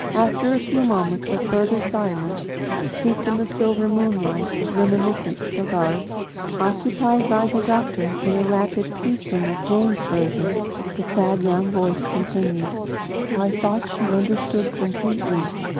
After a few moments of further silence, steeped in the silver moonlight of reminiscence for Garth; occupied by the doctor in a rapid piecing in of Jane's version; the sad young voice continued: "I thought she understood completely.